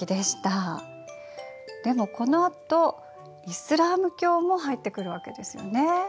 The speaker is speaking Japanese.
でもこのあとイスラーム教も入ってくるわけですよね。